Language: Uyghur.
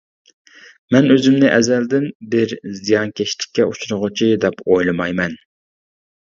مەن ئۆزۈمنى ئەزەلدىن بىر زىيانكەشلىككە ئۇچرىغۇچى دەپ ئويلىمايمەن.